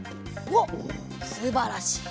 おっすばらしい。